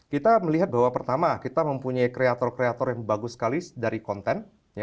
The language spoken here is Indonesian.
kita melihat bahwa pertama kita mempunyai kreator kreator yang bagus sekali dari konten